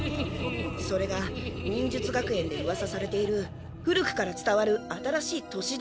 それが忍術学園でうわさされている古くからつたわる新しい都市